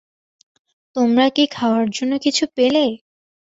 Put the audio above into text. তোমরা কি খাওয়ার জন্য কিছু পেলে?